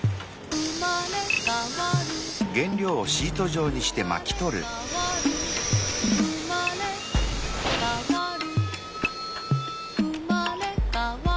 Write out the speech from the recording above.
「うまれかわるうまれかわる」